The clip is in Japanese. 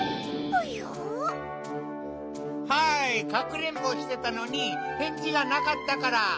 かくれんぼしてたのにへんじがなかったから！